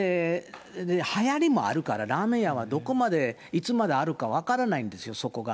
はやりもあるから、ラーメン屋はどこまで、いつまであるか分からないんですよ、そこが。